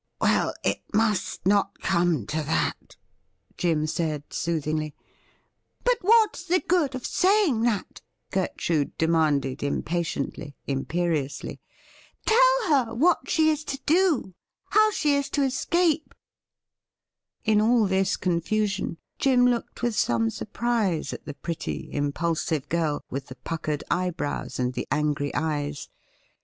,' Well, it must not come to that,' Jim said soothingly. 'But what's the good of saying that.'" Gertrude de 280 THE RIDDLE RING manded impatiently, imperiously. ' Tell her what she is to do — ^how she is to escape.' In all this confasion, Jim looked with some surprise at the pretty impulsive girl, with the puckered eyebrows and the angry eyes.